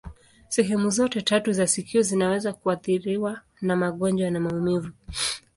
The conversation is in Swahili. Sehemu zote tatu za sikio zinaweza kuathiriwa na magonjwa na maumivu.